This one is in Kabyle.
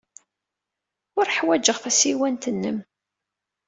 Ur ḥwajeɣ tasiwant-nnem.